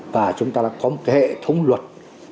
và chúng ta đã có một hệ thống luật